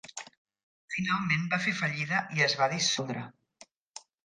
Finalment va fer fallida i es va dissoldre.